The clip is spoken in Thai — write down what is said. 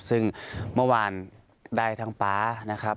ซึ่งเมื่อวานได้ทั้งป๊านะครับ